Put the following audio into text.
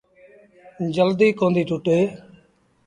جلديٚ ڪونديٚ ٽُٽي۔